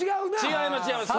違います